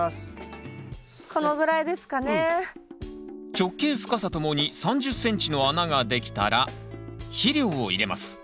直径深さともに３０ｃｍの穴が出来たら肥料を入れます。